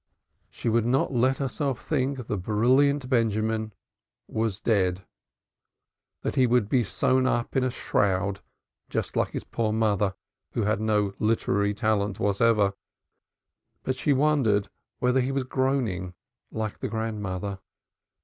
She would not let herself think the brilliant Benjamin was dead, that he would be sewn up in a shroud just like his poor mother, who had no literary talent whatever, but she wondered whether he was groaning like the grandmother.